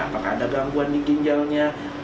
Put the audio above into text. apakah ada gangguan di ginjalnya